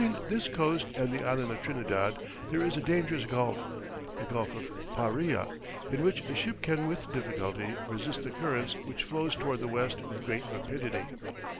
Between this coast and the Island of Trinidad there is a dangerous gulf, the Gulf of Paria, in which a ship can with difficulty resist the currents which flow towards the west with great rapidity.